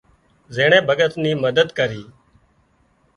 زينڻي بڳت ني مدد ڪري